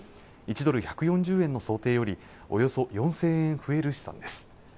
１ドル１４０円の想定よりおよそ４０００円増える試算です